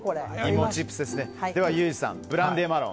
では、ユージさんブランデーマロン。